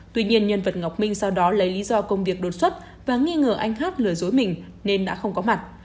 tuy nhiên nhân vật ngọc minh sau đó lấy lý do công việc đột xuất và nghi ngờ anh hát lừa dối mình nên đã không có mặt